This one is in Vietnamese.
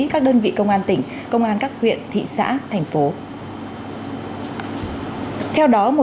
các đơn vị công an tỉnh công an các huyện thị xã thành phố